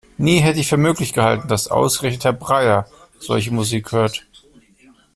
Nie hätte ich für möglich gehalten, dass ausgerechnet Herr Breyer solche Musik hört!